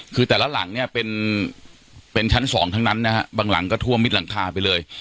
คือแต่ละหลังเนี่ยเป็นชั้นสองทั้งนั้นนะฮะบางหลังก็ท่วมมิดหลังคาไปเลย